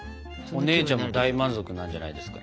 お姉ちゃんも大満足なんじゃないですかね？